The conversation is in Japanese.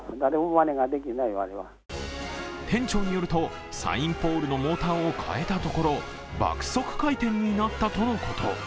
店長によると、サインポールのモーターを変えたところ、爆速回転になったとのこと。